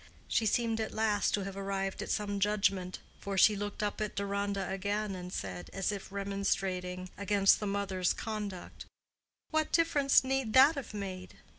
She seemed at last to have arrived at some judgment, for she looked up at Deronda again and said, as if remonstrating against the mother's conduct, "What difference need that have made?"